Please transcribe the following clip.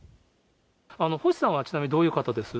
星さんはちなみにどういう方です？